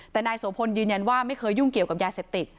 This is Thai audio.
แต่นายโสพลยืนยันว่าไม่เคยยุ่งเกี่ยวกับยาเสพติด